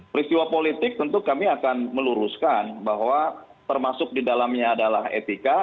peristiwa politik tentu kami akan meluruskan bahwa termasuk di dalamnya adalah etika